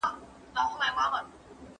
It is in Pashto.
رنګیلا به وي عبرت د پاچاهانو